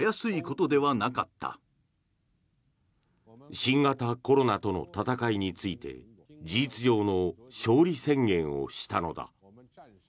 新型コロナとの闘いについて事実上の勝利宣言をしたのだ。